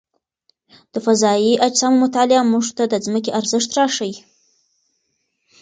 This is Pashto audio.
د فضايي اجسامو مطالعه موږ ته د ځمکې ارزښت راښيي.